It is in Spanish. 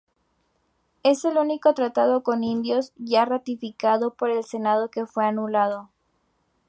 Es el único tratado con indios ya ratificado por el Senado que fue anulado.